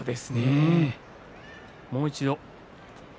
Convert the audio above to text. もう一度。